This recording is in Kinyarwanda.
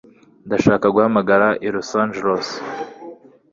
Ndashaka guhamagara i Los Angeles